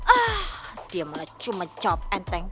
ah dia malah cuma jawab enteng